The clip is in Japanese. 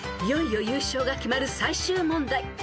［いよいよ優勝が決まる最終問題］